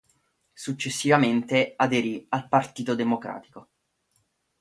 Successivamente aderì al Partito Democratico.